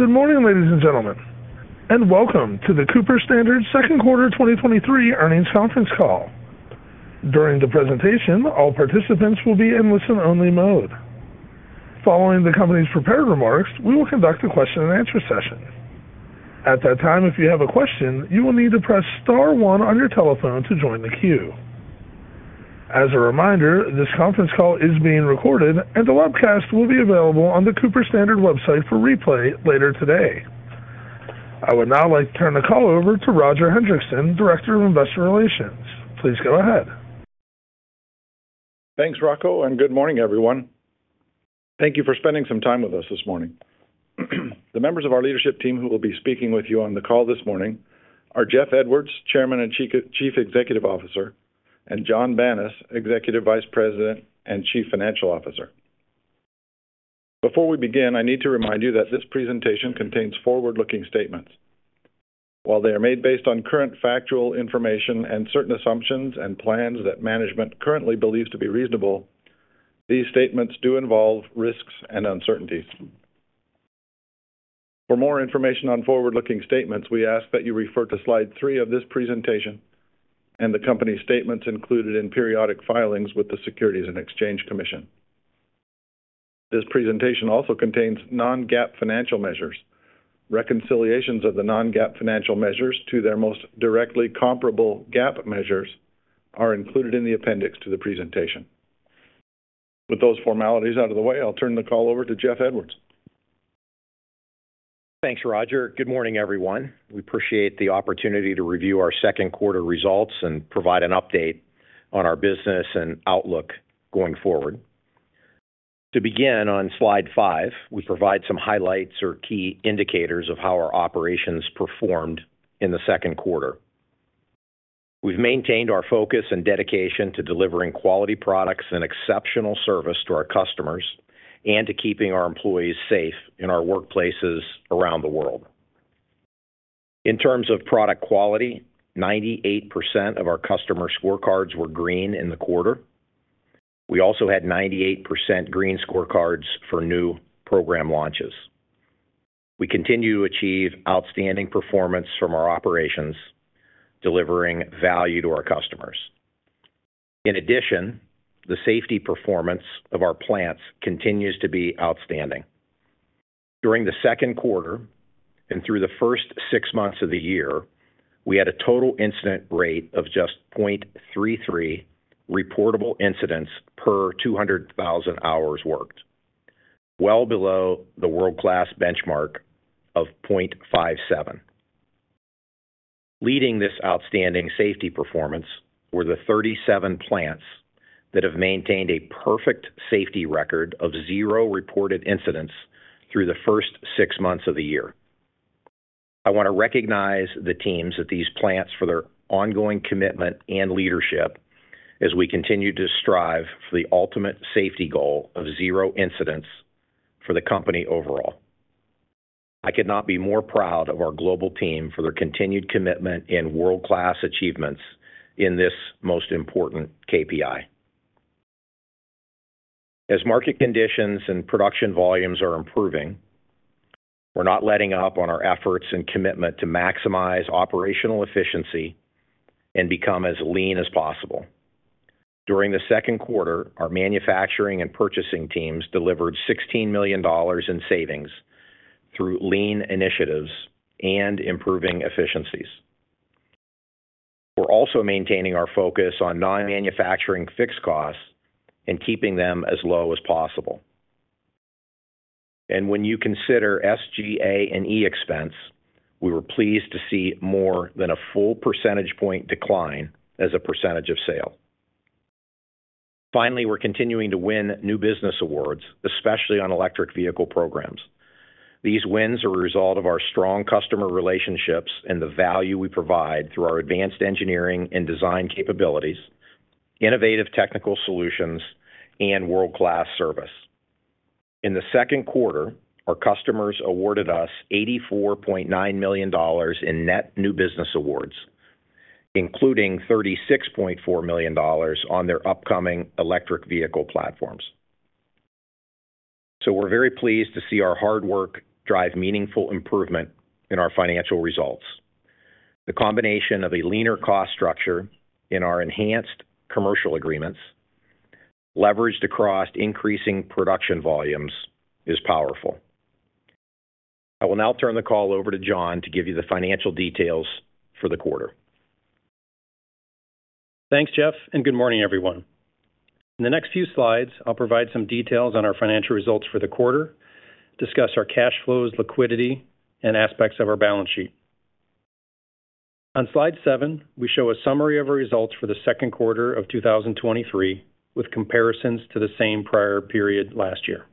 Good morning, ladies and gentlemen, and welcome to the Cooper-Standard second quarter 2023 earnings conference call. During the presentation, all participants will be in listen-only mode. Following the company's prepared remarks, we will conduct a question-and-answer session. At that time, if you have a question, you will need to press star one on your telephone to join the queue. As a reminder, this conference call is being recorded, and the webcast will be available on the Cooper-Standard website for replay later today. I would now like to turn the call over to Roger Hendriksen, Director of Investor Relations. Please go ahead. Thanks, Rocco. Good morning, everyone. Thank you for spending some time with us this morning. The members of our leadership team who will be speaking with you on the call this morning are Jeff Edwards, Chairman and Chief Executive Officer, and Jon Banas, Executive Vice President and Chief Financial Officer. Before we begin, I need to remind you that this presentation contains forward-looking statements. While they are made based on current factual information and certain assumptions and plans that management currently believes to be reasonable, these statements do involve risks and uncertainties. For more information on forward-looking statements, we ask that you refer to slide 3 of this presentation and the company's statements included in periodic filings with the Securities and Exchange Commission. This presentation also contains non-GAAP financial measures. Reconciliations of the non-GAAP financial measures to their most directly comparable GAAP measures are included in the appendix to the presentation. With those formalities out of the way, I'll turn the call over to Jeff Edwards. Thanks, Roger. Good morning, everyone. We appreciate the opportunity to review our second quarter results and provide an update on our business and outlook going forward. To begin, on slide 5, we provide some highlights or key indicators of how our operations performed in the second quarter. We've maintained our focus and dedication to delivering quality products and exceptional service to our customers and to keeping our employees safe in our workplaces around the world. In terms of product quality, 98% of our customer scorecards were green in the quarter. We also had 98% green scorecards for new program launches. We continue to achieve outstanding performance from our operations, delivering value to our customers. The safety performance of our plants continues to be outstanding. During the second quarter and through the first six months of the year, we had a total incident rate of just 0.33 reportable incidents per 200,000 hours worked, well below the world-class benchmark of 0.57. Leading this outstanding safety performance were the 37 plants that have maintained a perfect safety record of zero reported incidents through the first six months of the year. I want to recognize the teams at these plants for their ongoing commitment and leadership as we continue to strive for the ultimate safety goal of zero incidents for the company overall. I could not be more proud of our global team for their continued commitment and world-class achievements in this most important KPI. Market conditions and production volumes are improving, we're not letting up on our efforts and commitment to maximize operational efficiency and become as lean as possible. During the second quarter, our manufacturing and purchasing teams delivered $16 million in savings through lean initiatives and improving efficiencies. We're also maintaining our focus on non-manufacturing fixed costs and keeping them as low as possible. When you consider SGA&E expense, we were pleased to see more than a full percentage point decline as a percentage of sale. Finally, we're continuing to win new business awards, especially on electric vehicle programs. These wins are a result of our strong customer relationships and the value we provide through our advanced engineering and design capabilities, innovative technical solutions, and world-class service. In the second quarter, our customers awarded us $84.9 million in net new business awards, including $36.4 million on their upcoming electric vehicle platforms. We're very pleased to see our hard work drive meaningful improvement in our financial results. The combination of a leaner cost structure in our enhanced commercial agreements, leveraged across increasing production volumes, is powerful. I will now turn the call over to Jon to give you the financial details for the quarter. Thanks, Jeff. Good morning, everyone. In the next few slides, I'll provide some details on our financial results for the quarter, discuss our cash flows, liquidity, and aspects of our balance sheet. On slide 7, we show a summary of our results for the second quarter of 2023, with comparisons to the same prior period last year.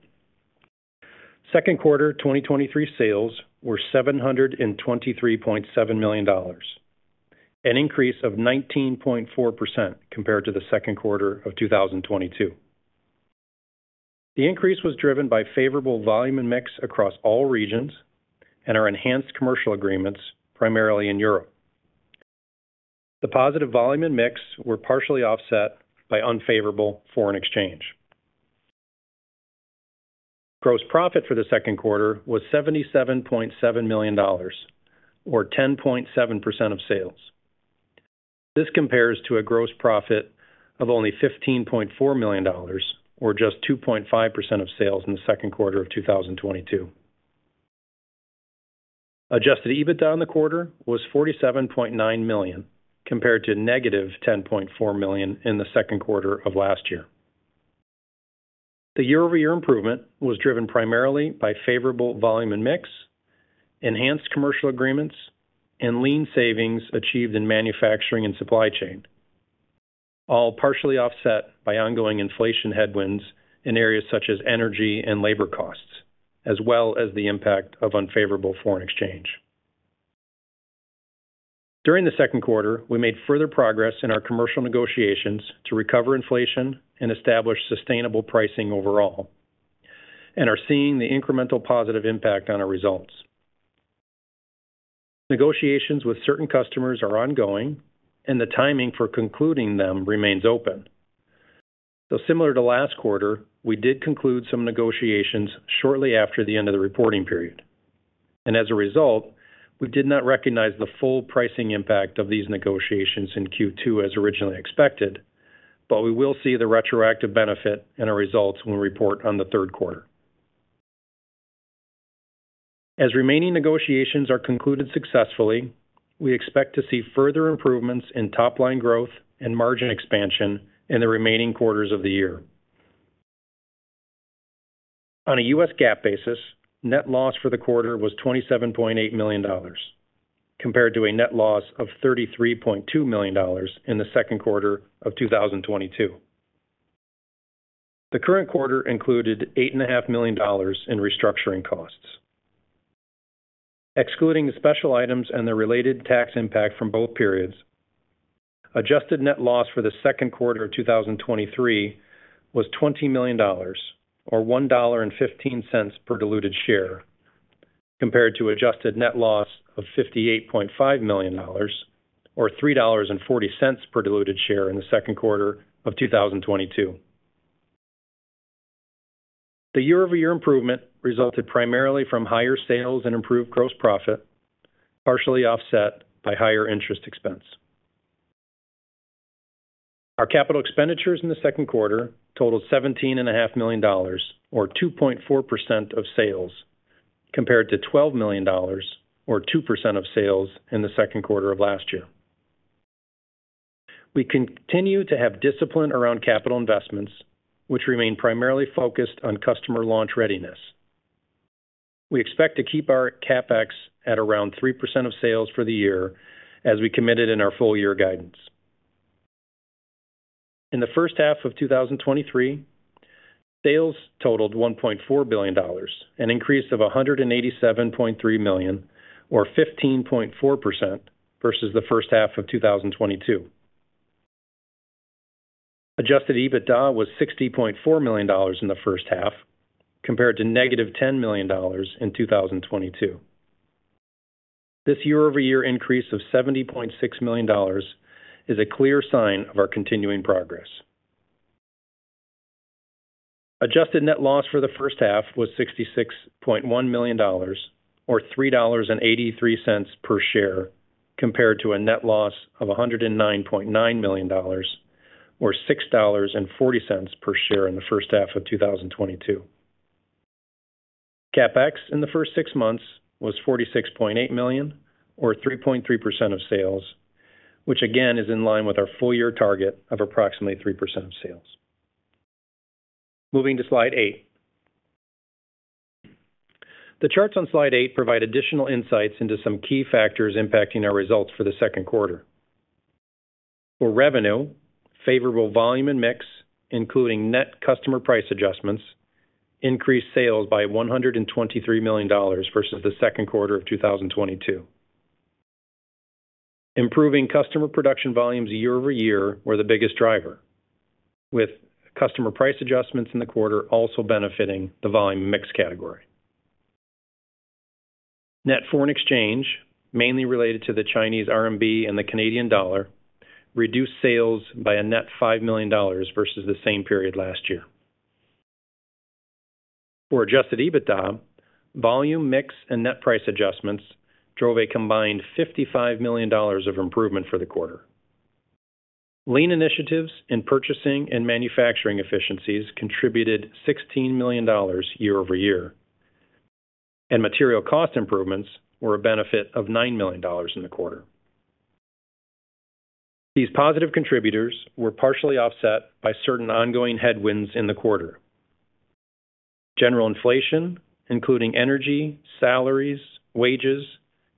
Second quarter 2023 sales were $723.7 million, an increase of 19.4% compared to the second quarter of 2022. The increase was driven by favorable volume and mix across all regions and our enhanced commercial agreements, primarily in Europe. The positive volume and mix were partially offset by unfavorable foreign exchange. Gross profit for the second quarter was $77.7 million, or 10.7% of sales. This compares to a gross profit of only $15.4 million, or just 2.5% of sales in the second quarter of 2022. Adjusted EBITDA on the quarter was $47.9 million, compared to -$10.4 million in the second quarter of last year. The year-over-year improvement was driven primarily by favorable volume and mix, enhanced commercial agreements, and lean savings achieved in manufacturing and supply chain, all partially offset by ongoing inflation headwinds in areas such as energy and labor costs, as well as the impact of unfavorable foreign exchange. During the second quarter, we made further progress in our commercial negotiations to recover inflation and establish sustainable pricing overall, are seeing the incremental positive impact on our results. Negotiations with certain customers are ongoing, the timing for concluding them remains open. Similar to last quarter, we did conclude some negotiations shortly after the end of the reporting period. As a result, we did not recognize the full pricing impact of these negotiations in Q2 as originally expected, we will see the retroactive benefit and our results when we report on the third quarter. As remaining negotiations are concluded successfully, we expect to see further improvements in top-line growth and margin expansion in the remaining quarters of the year. On a U.S. GAAP basis, net loss for the quarter was $27.8 million, compared to a net loss of $33.2 million in the second quarter of 2022. The current quarter included $8.5 million in restructuring costs. Excluding the special items and the related tax impact from both periods, adjusted net loss for the second quarter of 2023 was $20 million, or $1.15 per diluted share, compared to adjusted net loss of $58.5 million, or $3.40 per diluted share in the second quarter of 2022. The year-over-year improvement resulted primarily from higher sales and improved gross profit, partially offset by higher interest expense. Our capital expenditures in the second quarter totaled $17.5 million, or 2.4% of sales, compared to $12 million, or 2% of sales in the second quarter of last year. We continue to have discipline around capital investments, which remain primarily focused on customer launch readiness. We expect to keep our CapEx at around 3% of sales for the year as we committed in our full year guidance. In the first half of 2023, sales totaled $1.4 billion, an increase of $187.3 million, or 15.4% versus the first half of 2022. Adjusted EBITDA was $60.4 million in the first half, compared to -$10 million in 2022. This year-over-year increase of $70.6 million is a clear sign of our continuing progress. Adjusted net loss for the first half was $66.1 million, or $3.83 per share, compared to a net loss of $109.9 million, or $6.40 per share in the first half of 2022. CapEx in the first six months was $46.8 million, or 3.3% of sales, which again, is in line with our full year target of approximately 3% of sales. Moving to slide 8. The charts on slide 8 provide additional insights into some key factors impacting our results for the second quarter. For revenue, favorable volume and mix, including net customer price adjustments, increased sales by $123 million versus the second quarter of 2022. Improving customer production volumes year-over-year were the biggest driver, with customer price adjustments in the quarter also benefiting the volume mix category. Net foreign exchange, mainly related to the Chinese renminbi and the Canadian dollar, reduced sales by a net $5 million versus the same period last year. For adjusted EBITDA, volume, mix, and net price adjustments drove a combined $55 million of improvement for the quarter. Lean initiatives in purchasing and manufacturing efficiencies contributed $16 million year-over-year, and material cost improvements were a benefit of $9 million in the quarter. These positive contributors were partially offset by certain ongoing headwinds in the quarter. General inflation, including energy, salaries, wages,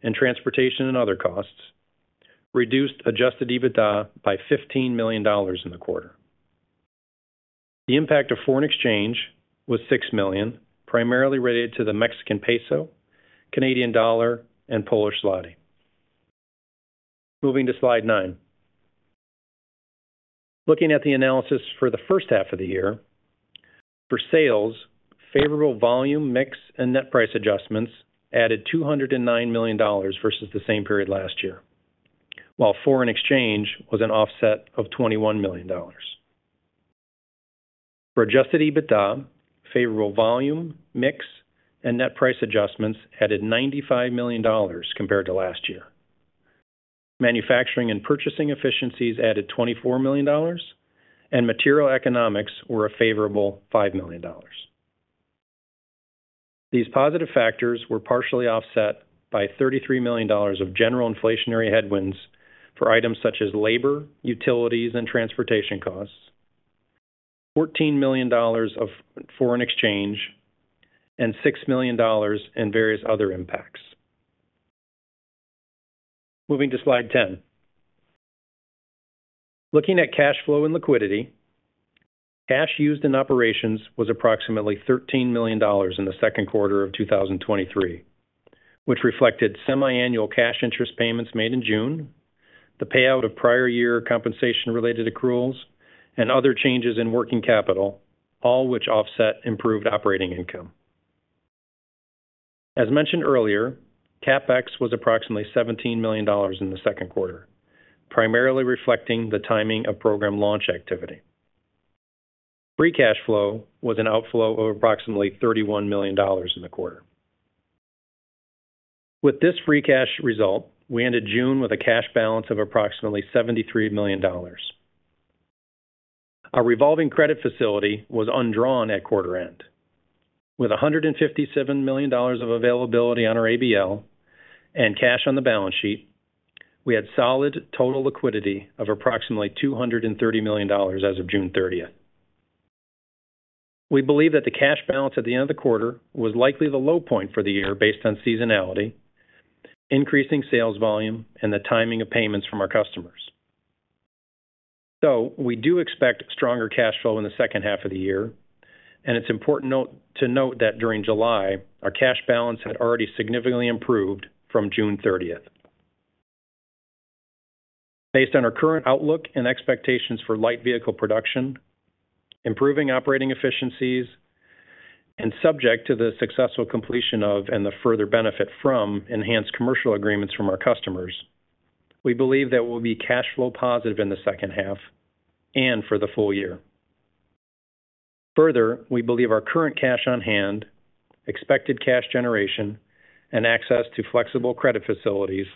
and transportation and other costs, reduced adjusted EBITDA by $15 million in the quarter. The impact of foreign exchange was $6 million, primarily related to the Mexican peso, Canadian dollar, and Polish złoty. Moving to slide 9. Looking at the analysis for the first half of the year, for sales, favorable volume, mix, and net price adjustments added $209 million versus the same period last year, while foreign exchange was an offset of $21 million. For adjusted EBITDA, favorable volume, mix, and net price adjustments added $95 million compared to last year. Manufacturing and purchasing efficiencies added $24 million, material economics were a favorable $5 million. These positive factors were partially offset by $33 million of general inflationary headwinds for items such as labor, utilities, and transportation costs, $14 million of foreign exchange, and $6 million in various other impacts. Moving to slide 10. Looking at cash flow and liquidity, cash used in operations was approximately $13 million in the second quarter of 2023, which reflected semiannual cash interest payments made in June, the payout of prior year compensation-related accruals, and other changes in working capital, all which offset improved operating income. As mentioned earlier, CapEx was approximately $17 million in the second quarter, primarily reflecting the timing of program launch activity. Free cash flow was an outflow of approximately $31 million in the quarter. With this free cash result, we ended June with a cash balance of approximately $73 million. Our revolving credit facility was undrawn at quarter end. With $157 million of availability on our ABL and cash on the balance sheet, we had solid total liquidity of approximately $230 million as of June 30th. We believe that the cash balance at the end of the quarter was likely the low point for the year based on seasonality, increasing sales volume, and the timing of payments from our customers. We do expect stronger cash flow in the second half of the year, and it's important to note that during July, our cash balance had already significantly improved from June 30th. Based on our current outlook and expectations for light vehicle production, improving operating efficiencies, and subject to the successful completion of, and the further benefit from enhanced commercial agreements from our customers, we believe that we'll be cash flow positive in the second half and for the full year. Further, we believe our current cash on hand, expected cash generation, and access to flexible credit facilities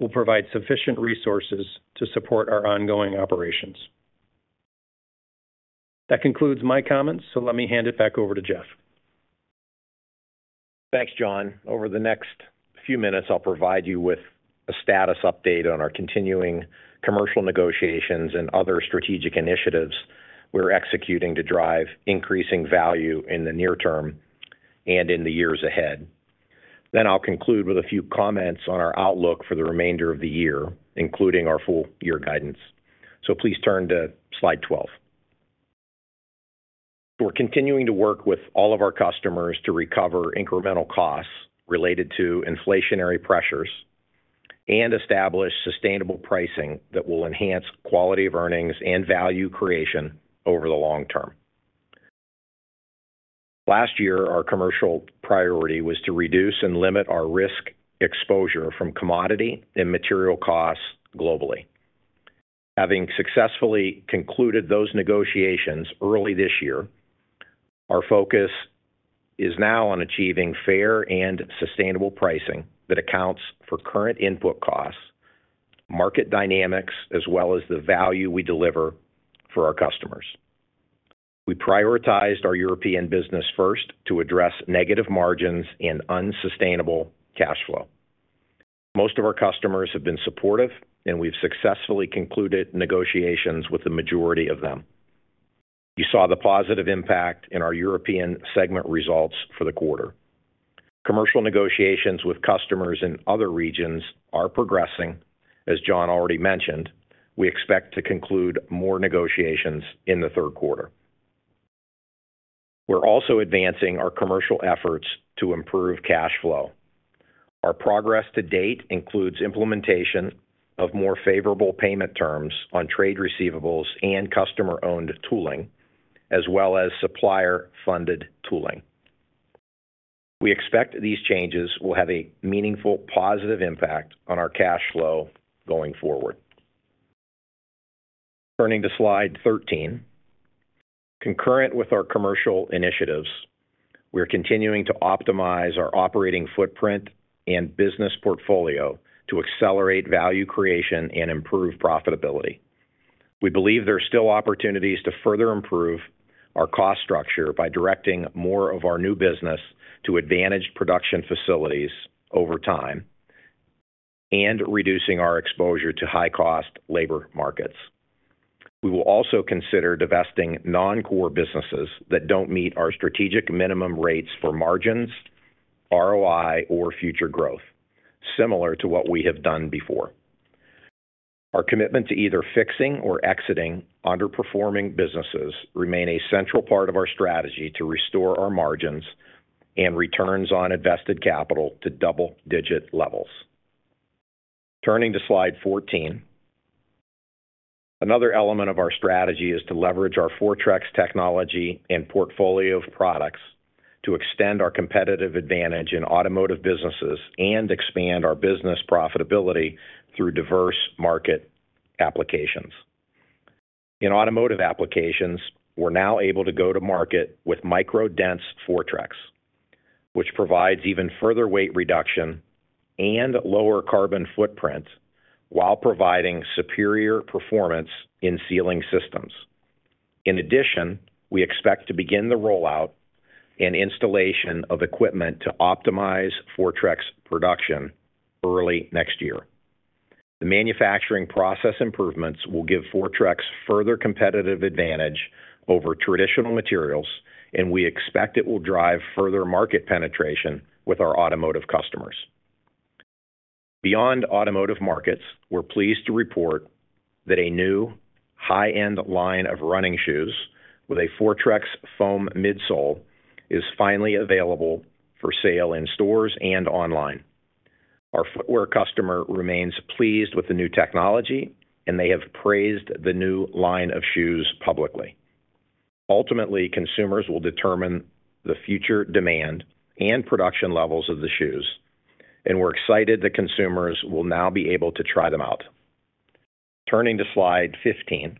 will provide sufficient resources to support our ongoing operations. That concludes my comments. Let me hand it back over to Jeff. Thanks, Jon. Over the next few minutes, I'll provide you with a status update on our continuing commercial negotiations and other strategic initiatives we're executing to drive increasing value in the near term and in the years ahead. I'll conclude with a few comments on our outlook for the remainder of the year, including our full year guidance. Please turn to slide 12. We're continuing to work with all of our customers to recover incremental costs related to inflationary pressures and establish sustainable pricing that will enhance quality of earnings and value creation over the long term. Last year, our commercial priority was to reduce and limit our risk exposure from commodity and material costs globally. Having successfully concluded those negotiations early this year, our focus is now on achieving fair and sustainable pricing that accounts for current input costs, market dynamics, as well as the value we deliver for our customers. We prioritized our European business first to address negative margins and unsustainable cash flow. Most of our customers have been supportive. We've successfully concluded negotiations with the majority of them. You saw the positive impact in our European segment results for the quarter. Commercial negotiations with customers in other regions are progressing. As Jon already mentioned, we expect to conclude more negotiations in the third quarter. We're also advancing our commercial efforts to improve cash flow. Our progress to date includes implementation of more favorable payment terms on trade receivables and customer-owned tooling, as well as supplier-funded tooling. We expect these changes will have a meaningful, positive impact on our cash flow going forward. Turning to Slide 13. Concurrent with our commercial initiatives, we are continuing to optimize our operating footprint and business portfolio to accelerate value creation and improve profitability. We believe there are still opportunities to further improve our cost structure by directing more of our new business to advantage production facilities over time and reducing our exposure to high-cost labor markets. We will also consider divesting non-core businesses that don't meet our strategic minimum rates for margins, ROI, or future growth, similar to what we have done before. Our commitment to either fixing or exiting underperforming businesses remain a central part of our strategy to restore our margins and returns on invested capital to double-digit levels. Turning to Slide 14. Another element of our strategy is to leverage our Fortrex technology and portfolio of products to extend our competitive advantage in automotive businesses and expand our business profitability through diverse market applications. In automotive applications, we're now able to go to market with MicroDense Fortrex, which provides even further weight reduction and lower carbon footprint while providing superior performance in sealing systems. In addition, we expect to begin the rollout and installation of equipment to optimize Fortrex production early next year. The manufacturing process improvements will give Fortrex further competitive advantage over traditional materials, and we expect it will drive further market penetration with our automotive customers. Beyond automotive markets, we're pleased to report that a new high-end line of running shoes with a Fortrex foam midsole is finally available for sale in stores and online. Our footwear customer remains pleased with the new technology, and they have praised the new line of shoes publicly. Ultimately, consumers will determine the future demand and production levels of the shoes, and we're excited that consumers will now be able to try them out. Turning to Slide 15.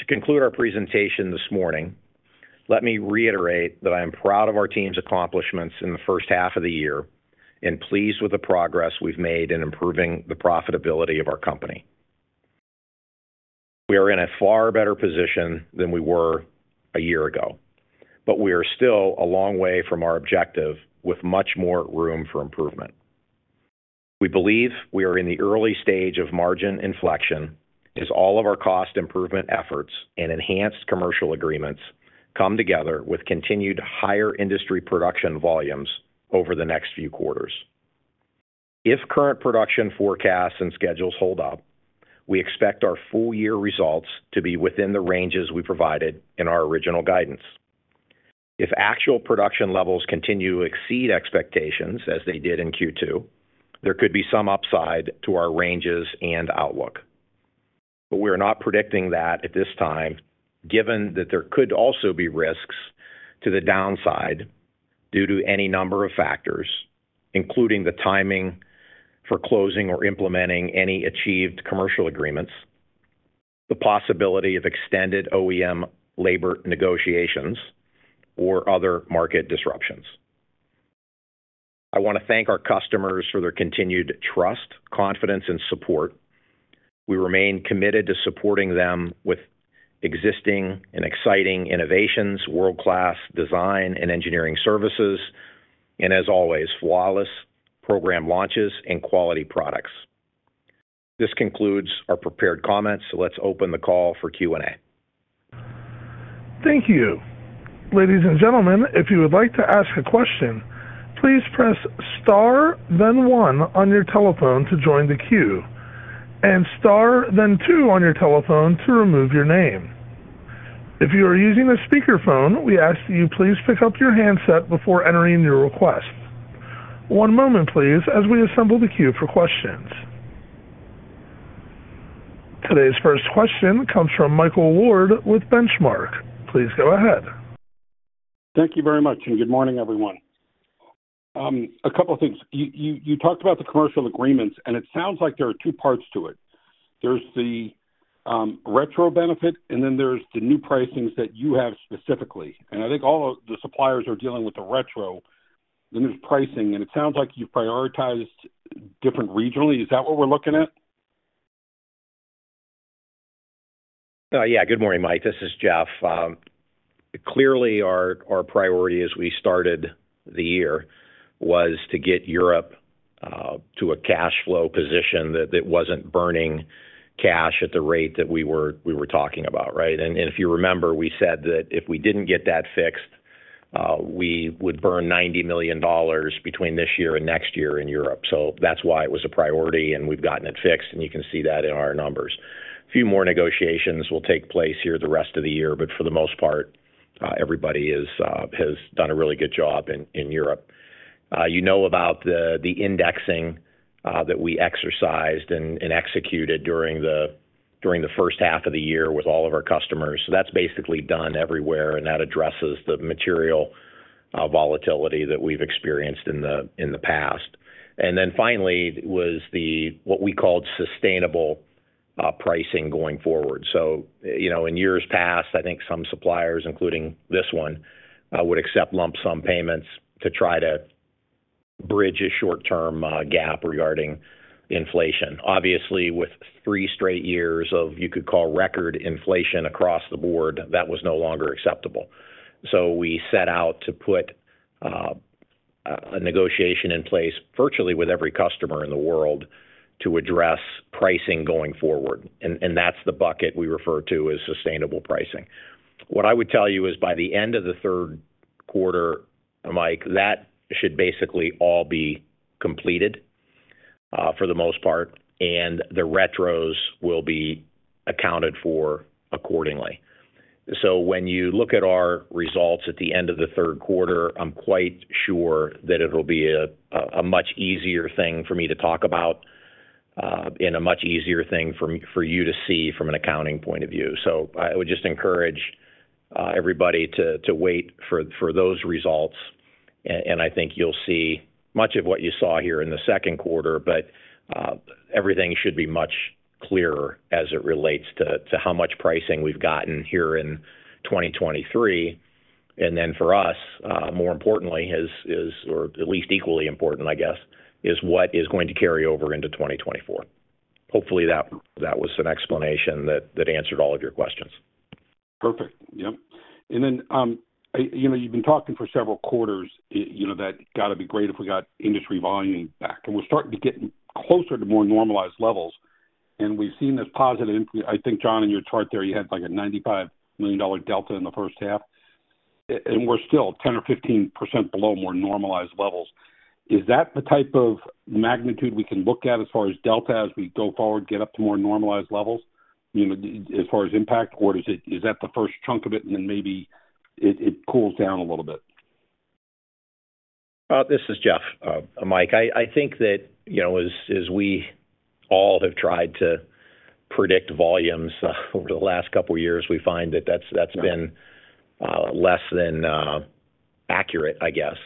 To conclude our presentation this morning, let me reiterate that I am proud of our team's accomplishments in the first half of the year and pleased with the progress we've made in improving the profitability of our company. We are in a far better position than we were a year ago, but we are still a long way from our objective, with much more room for improvement. We believe we are in the early stage of margin inflection, as all of our cost improvement efforts and enhanced commercial agreements come together with continued higher industry production volumes over the next few quarters. If current production forecasts and schedules hold up, we expect our full year results to be within the ranges we provided in our original guidance. If actual production levels continue to exceed expectations, as they did in Q2, there could be some upside to our ranges and outlook. We are not predicting that at this time, given that there could also be risks to the downside due to any number of factors, including the timing for closing or implementing any achieved commercial agreements, the possibility of extended OEM labor negotiations or other market disruptions. I want to thank our customers for their continued trust, confidence, and support. We remain committed to supporting them with existing and exciting innovations, world-class design and engineering services, and as always, flawless program launches and quality products. This concludes our prepared comments. Let's open the call for Q&A. Thank you. Ladies and gentlemen, if you would like to ask a question, please press star, then one on your telephone to join the queue, and star then two on your telephone to remove your name. If you are using a speakerphone, we ask that you please pick up your handset before entering your request. One moment, please, as we assemble the queue for questions. Today's first question comes from Michael Ward with Benchmark. Please go ahead. Thank you very much. Good morning, everyone. A couple of things. You, you, you talked about the commercial agreements, and it sounds like there are two parts to it. There's the retro benefit, and then there's the new pricings that you have specifically, and I think all of the suppliers are dealing with the retro, then there's pricing, and it sounds like you've prioritized different regionally. Is that what we're looking at? Yeah. Good morning, Mike. This is Jeff. Clearly, our, our priority as we started the year was to get Europe to a cash flow position that, that wasn't burning cash at the rate that we were talking about, right? If you remember, we said that if we didn't get that fixed, we would burn $90 million between this year and next year in Europe. That's why it was a priority, and we've gotten it fixed, and you can see that in our numbers. A few more negotiations will take place here the rest of the year, but for the most part, everybody is, has done a really good job in, in Europe. You know about the indexing that we exercised and executed during the first half of the year with all of our customers. That's basically done everywhere, and that addresses the material volatility that we've experienced in the, in the past. Finally was the, what we called sustainable pricing going forward. You know, in years past, I think some suppliers, including this one, would accept lump sum payments to try to bridge a short-term gap regarding inflation. Obviously, with three straight years of you could call record inflation across the board, that was no longer acceptable. We set out to put a negotiation in place virtually with every customer in the world to address pricing going forward, and that's the bucket we refer to as sustainable pricing. What I would tell you is, by the end of the third quarter, Mike, that should basically all be completed for the most part, and the retros will be accounted for accordingly. When you look at our results at the end of the third quarter, I'm quite sure that it'll be a much easier thing for me to talk about, and a much easier thing for, for you to see from an accounting point of view. I would just encourage everybody to wait for for those results, and I think you'll see much of what you saw here in the second quarter. Everything should be much clearer as it relates to how much pricing we've gotten here in 2023. Then for us, more importantly, is or at least equally important, I guess, is what is going to carry over into 2024. Hopefully, that was an explanation that answered all of your questions. Perfect. Yep. Then, you know, you've been talking for several quarters, you know, that gotta be great if we got industry volume back, and we're starting to get closer to more normalized levels. We've seen this positive impact. I think, Jon, in your chart there, you had, like, a $95 million delta in the first half, and we're still 10% or 15% below more normalized levels. Is that the type of magnitude we can look at as far as delta as we go forward, get up to more normalized levels, you know, as far as impact, or is that the first chunk of it, and then maybe it, it cools down a little bit? This is Jeff. Mike, I think that, you know, as we all have tried to predict volumes over the last couple of years, we find that that's been less than accurate, I guess.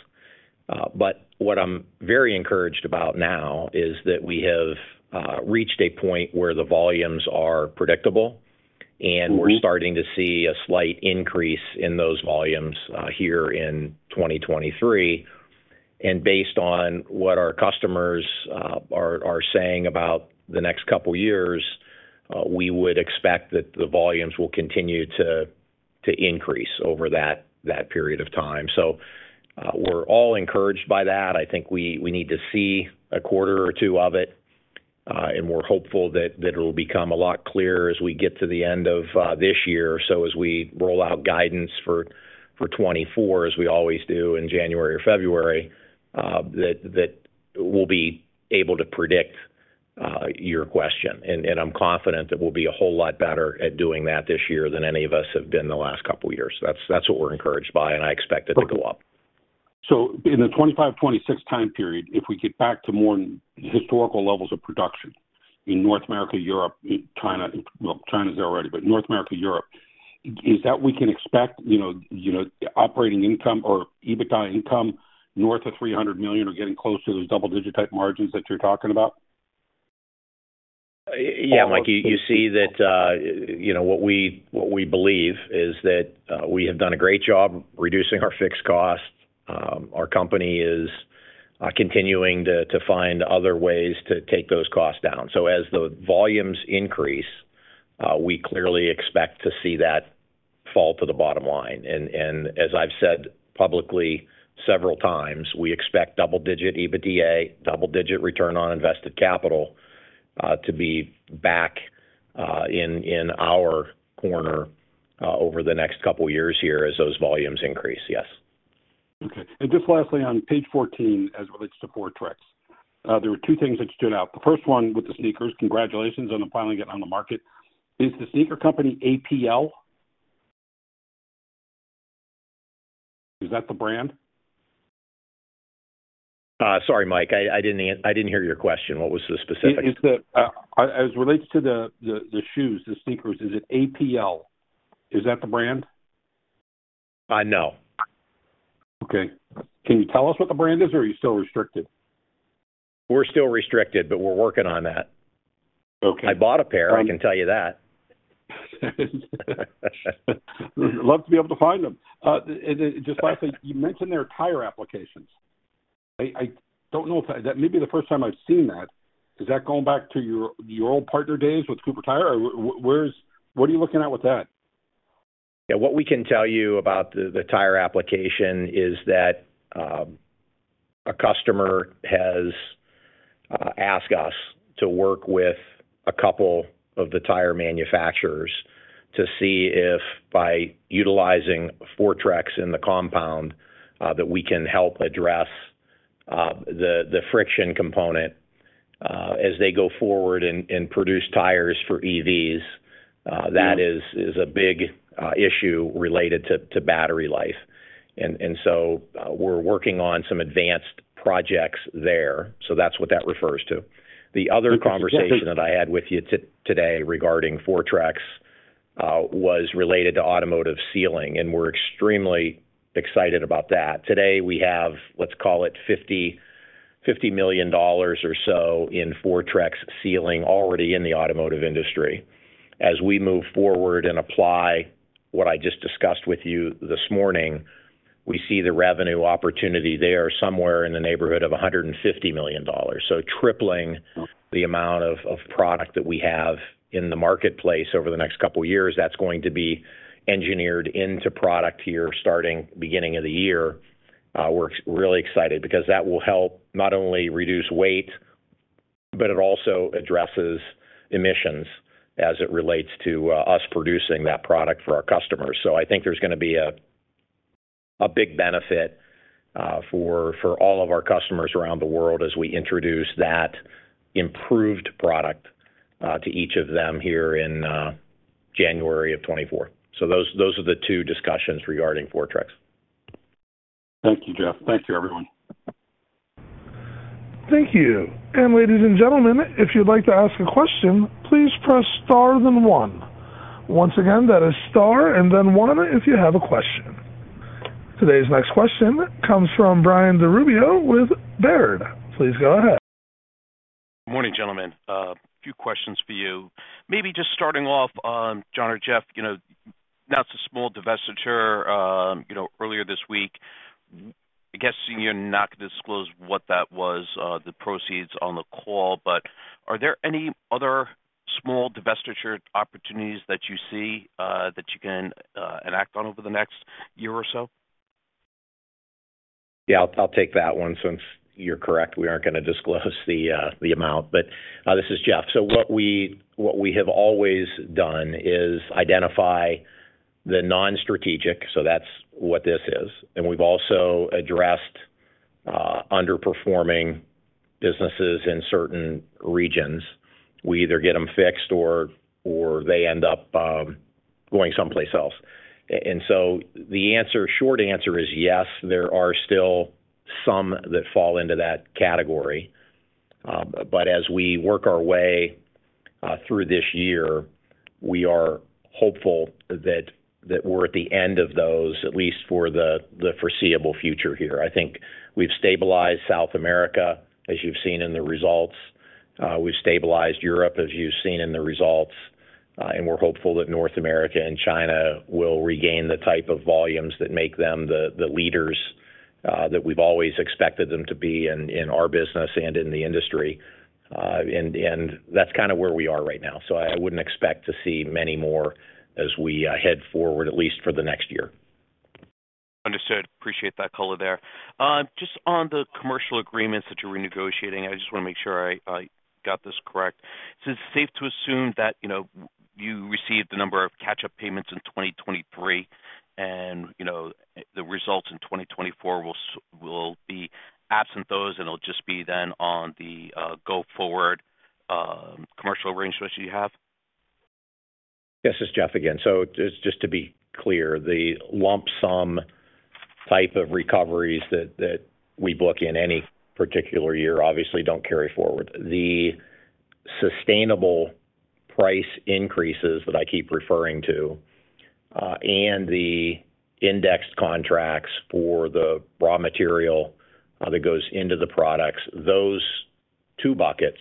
What I'm very encouraged about now is that we have reached a point where the volumes are predictable. We're starting to see a slight increase in those volumes here in 2023. Based on what our customers are saying about the next couple of years, we would expect that the volumes will continue to increase over that period of time. We're all encouraged by that. I think we need to see a quarter or two of it, and we're hopeful that it'll become a lot clearer as we get to the end of this year. As we roll out guidance for 2024, as we always do in January or February, that we'll be able to predict your question. I'm confident that we'll be a whole lot better at doing that this year than any of us have been the last couple of years. That's what we're encouraged by, and I expect it to go up. In the 2025, 2026 time period, if we get back to more historical levels of production in North America, Europe, China. Well, China's there already, but North America, Europe, is that we can expect, you know, operating income or EBITDA income north of $300 million or getting close to those double-digit type margins that you're talking about? Yeah, Mike, you know, what we believe is that we have done a great job reducing our fixed costs. Our company is, continuing to find other ways to take those costs down. As the volumes increase, we clearly expect to see that fall to the bottom line. As I've said publicly several times, we expect double-digit EBITDA, double-digit return on invested capital, to be back in our corner, over the next couple of years here as those volumes increase. Yes. Okay. Just lastly, on page 14, as relates to Fortrex, there were two things that stood out. The first one with the sneakers. Congratulations on the finally getting on the market. Is the sneaker company APL? Is that the brand? Sorry, Mike, I didn't I didn't hear your question. What was the specifics? Is the, as it relates to the shoes, the sneakers, is it APL? Is that the brand? No. Okay. Can you tell us what the brand is, or are you still restricted? We're still restricted, but we're working on that. Okay. I bought a pair. I can tell you that. Love to be able to find them. Then just lastly, you mentioned there are tire applications. I don't know if that may be the first time I've seen that. Is that going back to your old partner days with Cooper Tire, or what are you looking at with that? Yeah. What we can tell you about the, the tire application is that a customer has asked us to work with a couple of the tire manufacturers to see if by utilizing Fortrex in the compound, that we can help address the, the friction component as they go forward and produce tires for EVs. Mm-hmm. That is a big issue related to battery life. We're working on some advanced projects there, so that's what that refers to. Okay. The other conversation that I had with you today regarding Fortrex was related to automotive sealing, and we're extremely excited about that. Today, we have, let's call it $50 million or so in Fortrex sealing already in the automotive industry. As we move forward and apply what I just discussed with you this morning, we see the revenue opportunity there somewhere in the neighborhood of $150 million. Tripling the amount of product that we have in the marketplace over the next couple of years, that's going to be engineered into product here, starting beginning of the year. We're really excited because that will help not only reduce weight, but it also addresses emissions as it relates to us producing that product for our customers. I think there's gonna be a big benefit for all of our customers around the world as we introduce that improved product, to each of them here in, January of 2024. Those, those are the two discussions regarding Fortrex. Thank you, Jeff. Thank you, everyone. Thank you. Ladies and gentlemen, if you'd like to ask a question, please press star, then one. Once again, that is star and then one if you have a question. Today's next question comes from Brian DiRubbio with Baird. Please go ahead. Morning, gentlemen. A few questions for you. Maybe just starting off on Jon or Jeff, you know, not so small divestiture, you know, earlier this week. I'm guessing you're not going to disclose what that was, the proceeds on the call, but are there any other small divestiture opportunities that you see, that you can enact on over the next year or so? Yeah, I'll take that one since you're correct, we aren't gonna disclose the amount. This is Jeff. What we have always done is identify the non-strategic, so that's what this is. We've also addressed underperforming businesses in certain regions. We either get them fixed or they end up going someplace else. The answer, short answer is yes, there are still some that fall into that category. As we work our way through this year, we are hopeful that, that we're at the end of those, at least for the, the foreseeable future here. I think we've stabilized South America, as you've seen in the results. We've stabilized Europe, as you've seen in the results, and we're hopeful that North America and China will regain the type of volumes that make them the leaders that we've always expected them to be in our business and in the industry. That's kind of where we are right now. I wouldn't expect to see many more as we head forward, at least for the next year. Understood. Appreciate that color there. Just on the commercial agreements that you're renegotiating, I just wanna make sure I, I got this correct. It's safe to assume that, you know, you received a number of catch-up payments in 2023, and, you know, the results in 2024 will will be absent those, and it'll just be then on the go forward, commercial arrangements you have? Yes, this is Jeff again. Just to be clear, the lump sum type of recoveries that, that we book in any particular year obviously don't carry forward. The sustainable price increases that I keep referring to, and the indexed contracts for the raw material that goes into the products, those two buckets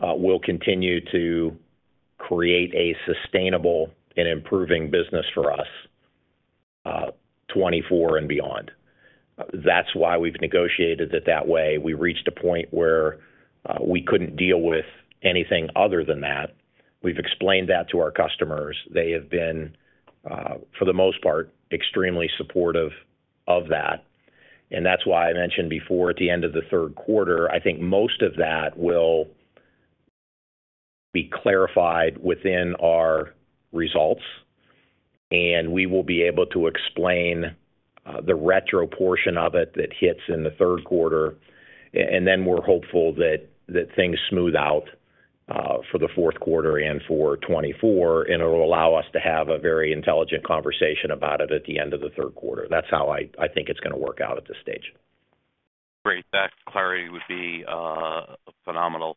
will continue to create a sustainable and improving business for us, 2024 and beyond. That's why we've negotiated it that way. We reached a point where we couldn't deal with anything other than that. We've explained that to our customers. They have been for the most part, extremely supportive of that. That's why I mentioned before, at the end of the third quarter, I think most of that will be clarified within our results. We will be able to explain the retro portion of it that hits in the third quarter. Then we're hopeful that, that things smooth out for the fourth quarter and for 2024, and it'll allow us to have a very intelligent conversation about it at the end of the third quarter. That's how I think it's gonna work out at this stage. Great. That clarity would be phenomenal.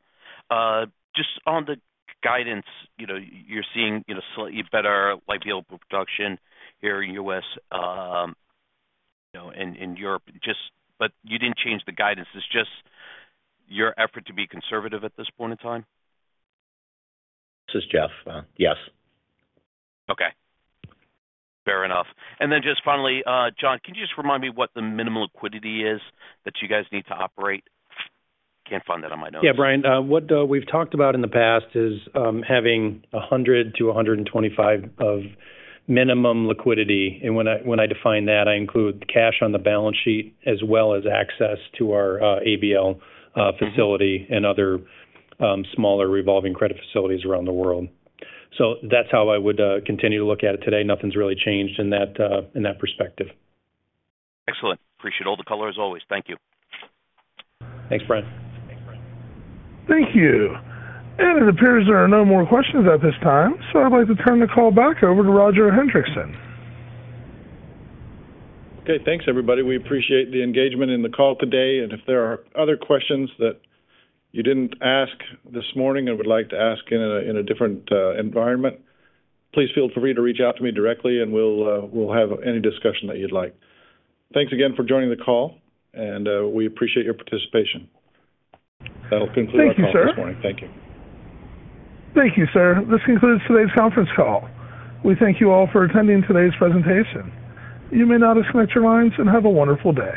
Just on the guidance, you know, you're seeing, you know, slightly better light vehicle production here in U.S., you know, and in Europe, just but you didn't change the guidance. It's just your effort to be conservative at this point in time? This is Jeff. Yes. Okay, fair enough. Then just finally, Jon, can you just remind me what the minimum liquidity is that you guys need to operate? Can't find that on my notes. Yeah, Brian, what we've talked about in the past is having $100 million-$125 million of minimum liquidity. When I, when I define that, I include cash on the balance sheet, as well as access to our ABL facility and other smaller revolving credit facilities around the world. That's how I would continue to look at it today. Nothing's really changed in that in that perspective. Excellent. Appreciate all the color, as always. Thank you. Thanks, Brian. Thank you. It appears there are no more questions at this time, so I'd like to turn the call back over to Roger Hendriksen. Okay, thanks, everybody. We appreciate the engagement in the call today, and if there are other questions that you didn't ask this morning and would like to ask in a different environment, please feel free to reach out to me directly, and we'll have any discussion that you'd like. Thanks again for joining the call, and we appreciate your participation. That'll conclude our call this morning. Thank you, sir. Thank you. Thank you, sir. This concludes today's conference call. We thank you all for attending today's presentation. You may now disconnect your lines, and have a wonderful day.